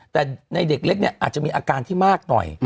แต่ในเด็กเล็กเนี่ยอาจจะมีอาการที่มากหน่อย